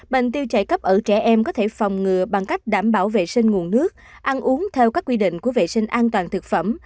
bệnh tiêu chảy cấp ở trẻ em có thể phòng ngừa bằng cách đảm bảo vệ sinh nguồn nước ăn uống theo các quy định của vệ sinh an toàn thực phẩm